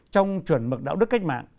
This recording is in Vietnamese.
trong chuẩn mực đạo đức cách mạng